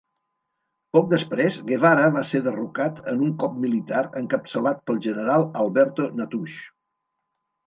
Poc després, Guevara va ser derrocat en un cop militar encapçalat pel general Alberto Natusch.